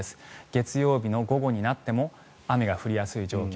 月曜日の午後になっても雨が降りやすい状況。